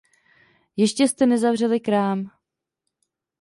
Ještě jste nezavřeli krám.